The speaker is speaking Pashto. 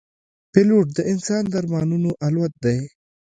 پیلوټ د انسان د ارمانونو الوت دی.